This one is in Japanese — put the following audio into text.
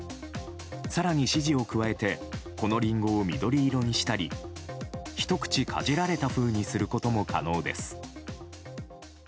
更に指示を加えて、このリンゴを緑色にしたりひと口かじられた風にすることも可能です。